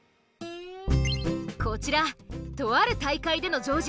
こちらとある大会での丈司。